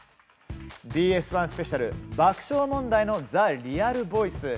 ＢＳ１スペシャル「爆笑問題のザ・リアル・ボイス」。